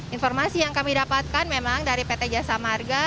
informasi yang kami dapatkan memang dari pt jasa marga